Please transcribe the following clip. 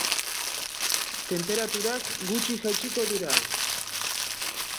Tenperaturak gutxi jaitsiko dira.